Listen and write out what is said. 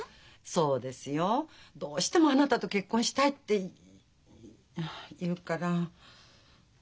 そうですよ。どうしてもあなたと結婚したいって言うから。